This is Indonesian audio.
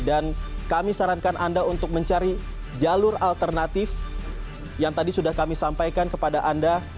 dan kami sarankan anda untuk mencari jalur alternatif yang tadi sudah kami sampaikan kepada anda